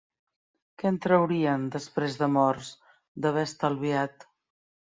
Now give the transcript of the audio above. Què en traurien, després de morts, d'haver estalviat